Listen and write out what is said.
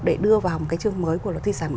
để đưa vào một cái chương mới